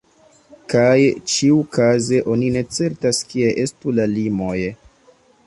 Kaj ĉiukaze oni ne certas kie estu la limoj.